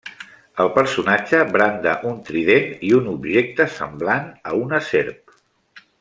El personatge branda un trident i un objecte semblant a una serp.